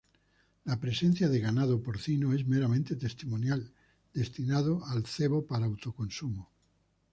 La presencia de ganado porcino es meramente testimonial, destinado al cebo para autoconsumo.